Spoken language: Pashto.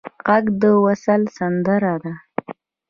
غږ د وصل سندره ده